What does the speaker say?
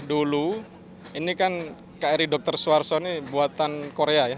dulu ini kan kri dr suharto ini buatan korea ya